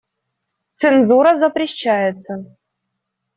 Цензура запрещается.